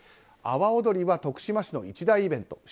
阿波おどりは徳島市の一大イベント。